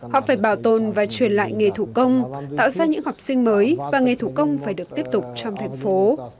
họ phải bảo tồn và truyền lại nghề thủ công tạo ra những học sinh mới và nghề thủ công phải được tiếp tục trong thành phố